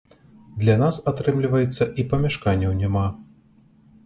Для нас, атрымліваецца, і памяшканняў няма.